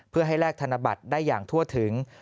เพื่อให้แลกธนบัตรได้อย่างทั่วถึง